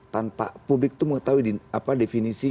tanpa publik itu mengetahui apa definisinya